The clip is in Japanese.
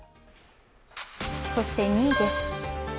そして２位です。